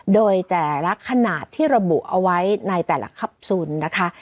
โดยแต่ละขนาดที่ระบุเอาไว้ในแต่ละคับซูลนะคะ